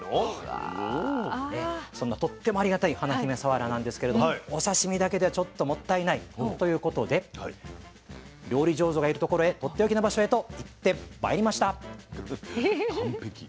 でそんなとってもありがたい華姫さわらなんですけれどもお刺身だけではちょっともったいないということで料理上手がいるところへとっておきの場所へと行ってまいりました。